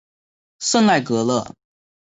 圣赖格勒。